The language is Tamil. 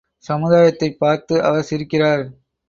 சமுதாயத்தைப் பார்த்து அவர் சிரிக்கிறார்.